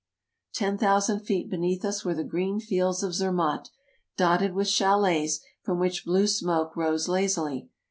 Ten thousand feet beneath us were the green fields of Zermatt, dotted with chalets, from which blue smoke rose lazily.